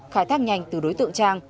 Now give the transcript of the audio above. khai thác nhanh từ đối tượng trang